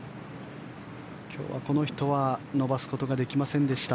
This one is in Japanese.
今日はこの人は伸ばすことができませんでした。